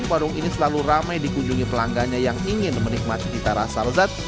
warung ini selalu ramai dikunjungi pelanggannya yang ingin menikmati cita rasa lezat